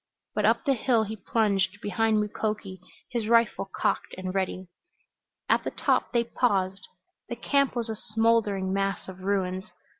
But up the hill he plunged behind Mukoki, his rifle cocked and ready. At the top they paused. The camp was a smoldering mass of ruins.